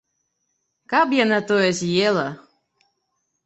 Каб яна тое з'ела!